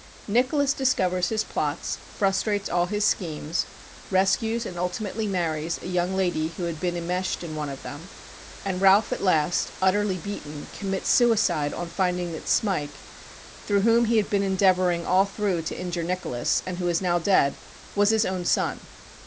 Nicholas discovers his plots, frustrates all his schemes, rescues, and ultimately marries, a young lady who had been immeshed in one of them; and Ralph, at last, utterly beaten, commits suicide on finding that Smike, through whom he had been endeavouring all through to injure Nicholas, and who is now dead, was his own son.